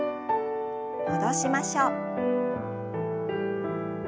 戻しましょう。